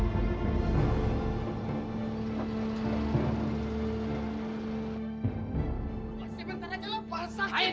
ritmas kaus waterscape lebih baik m have nolet mai